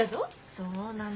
そうなの。